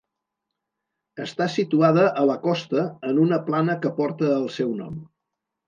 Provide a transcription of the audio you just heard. Està situada a la costa en una plana que porta el seu nom.